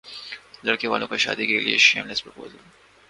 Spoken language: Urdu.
لڑکے والوں کا شادی کے لیےشیم لیس پرپوزل